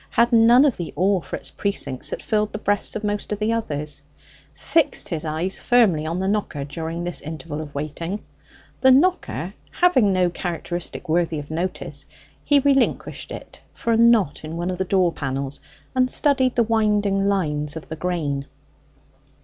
had none of the awe for its precincts that filled the breasts of most of the others, fixed his eyes firmly on the knocker during this interval of waiting. The knocker having no characteristic worthy of notice, he relinquished it for a knot in one of the door panels, and studied the winding lines of the grain.